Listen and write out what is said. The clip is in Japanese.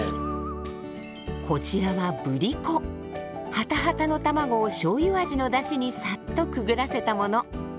ハタハタの卵をしょうゆ味のだしにサッとくぐらせたもの。